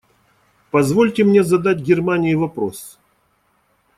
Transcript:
Позвольте мне задать Германии вопрос.